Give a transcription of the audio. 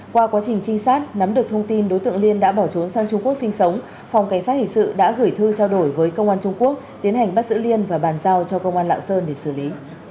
qua quá trình trinh sát nắm được thông tin đối tượng liên đã bỏ trốn sang trung quốc sinh sống phòng cảnh sát hình sự đã gửi thư trao đổi với công an trung quốc tiến hành bắt giữ liên và bàn giao cho công an lạng sơn để xử lý